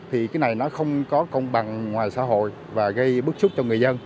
thì cái này nó không có công bằng ngoài xã hội và gây bức xúc cho người dân